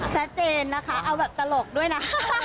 แจ้งนะเอาแบบตลกด้วยนะ